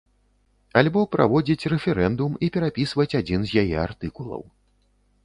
Альбо праводзіць рэферэндум і перапісваць адзін з яе артыкулаў.